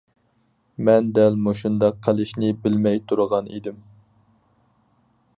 مەن دەل مۇشۇنداق قىلىشنى بىلمەي تۇرغان ئىدىم.